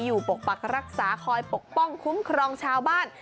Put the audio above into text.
ปกปักรักษาคอยปกป้องคุ้มครองชาวบ้าน